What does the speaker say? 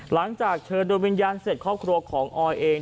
หลังจากเชิญโดยวิญญาณเสร็จครอบครัวของออยเอง